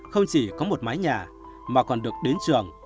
không chỉ có một mái nhà mà còn được đến trường